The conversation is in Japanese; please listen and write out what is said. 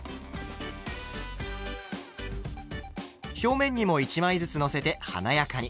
表面にも１枚ずつのせて華やかに。